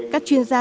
các chuyên gia